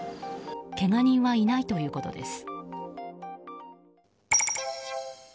けが人はいないということです。